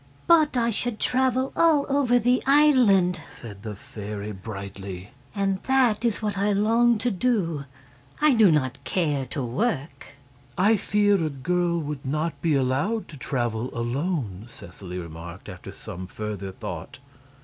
"But I should travel all over the island," said the fairy, brightly, "and that is what I long to do. I do not care to work." "I fear a girl would not be allowed to travel alone," Seseley remarked, after some further thought.